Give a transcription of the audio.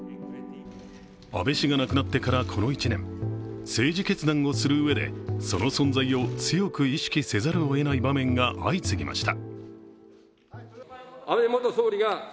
安倍氏が亡くなってからこの１年、政治決断をするうえで、その存在を強く意識せざるをえない場面が相次ぎました。